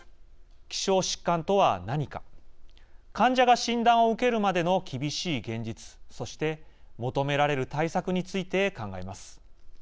希少疾患とは何か患者が診断を受けるまでの厳しい現実そして、求められる対策について考えます。